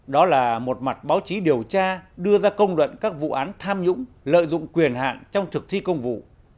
đó là một mặt báo chí điều tra đưa ra công đoạn các vụ án tham nhũng lợi dụng quyền hạn trong thực thi công vụ